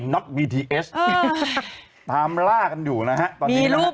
โหยวายโหยวายโหยวายโหยวายโหยวาย